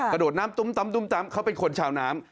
กระโดดน้ำตุ้มเขาเป็นคนชาวน้ำ